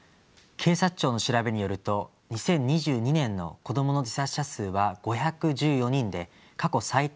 警察庁の調べによると２０２２年の子どもの自殺者数は５１４人で過去最多を記録しました。